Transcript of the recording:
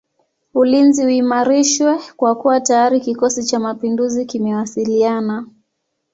Ulinzi uimarishwe kwa kuwa tayari kikosi cha mapinduzi kimewasiliana